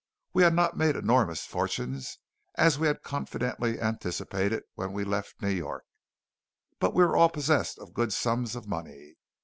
We had not made enormous fortunes as we had confidently anticipated when we left New York, but we were all possessed of good sums of money.